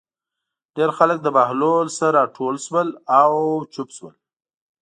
ډېر خلک له بهلول نه راټول شول او چوپ شول.